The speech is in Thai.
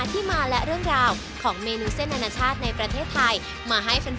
จิตย่าจิตย่า